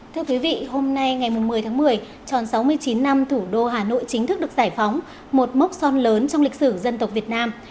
thưa quý vị hôm nay ngày một mươi tháng một mươi tròn sáu mươi chín năm thủ đô hà nội chính thức được giải phóng một mốc son lớn trong lịch sử dân tộc việt nam